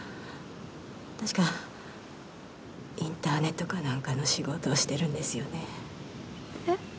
確かインターネットか何かの仕事をしてるんですよねえっ？